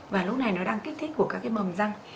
và lúc này nó đang kích thích của các cái mầm răng